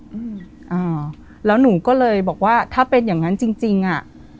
อืมอ่าแล้วหนูก็เลยบอกว่าถ้าเป็นอย่างงั้นจริงจริงอ่ะ